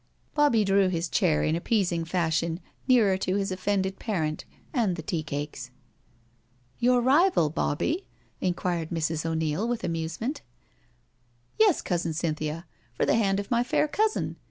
Bobbie drew his chair in appeasing fashion nearer to his offended parent and the tea cakes. "Your rival, Bobbie?" inquired Mrs. O'Neil, with amusement. " Yes, Cousin Cynthia, for the hand of my fair cousin.